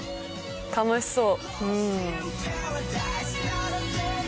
楽しそう。